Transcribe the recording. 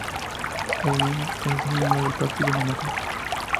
Él es un miembro del Partido Demócrata.